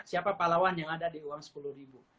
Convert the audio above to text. siapa pahlawan yang ada di uang sepuluh ribu